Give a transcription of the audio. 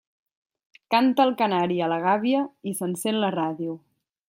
Canta el canari a la gàbia i s'encén la ràdio.